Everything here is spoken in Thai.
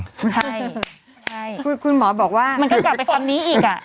ใช่คือคุณหมอบอกว่ามันก็กลับไปคำนี้อีกอ่ะ